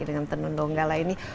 dengan tenun nunggala ini